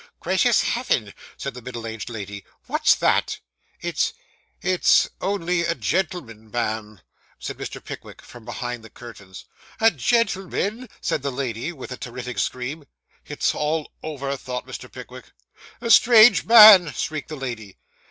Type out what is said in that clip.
'Gracious Heaven!' said the middle aged lady, 'what's that?' 'It's it's only a gentleman, ma'am,' said Mr. Pickwick, from behind the curtains. 'A gentleman!' said the lady, with a terrific scream. 'It's all over!' thought Mr. Pickwick. 'A strange man!' shrieked the lady.